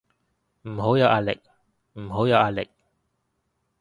唔好有壓力，唔好有壓力